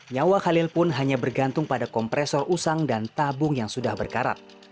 nyawa khalil pun hanya bergantung pada kompresor usang dan tabung yang sudah berkarat